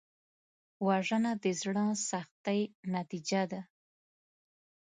وژنه د زړه سختۍ نتیجه ده